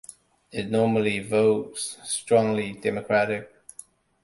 It normally votes strongly Democratic.